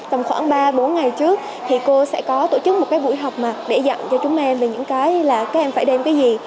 tầm khoảng ba bốn ngày trước thì cô sẽ có tổ chức một cái buổi họp mặt để dặn cho chúng em về những cái là các em phải đem cái gì